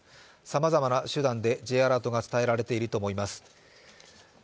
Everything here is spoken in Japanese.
さまざまな手段でＪアラートが伝えられていると思います。